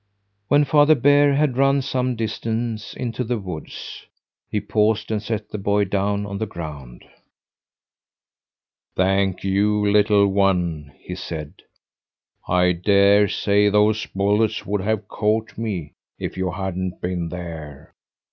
When Father Bear had run some distance into the woods, he paused and set the boy down on the ground. "Thank you, little one!" he said. "I dare say those bullets would have caught me if you hadn't been there.